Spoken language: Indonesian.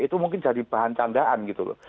itu mungkin jadi bahan candaan gitu loh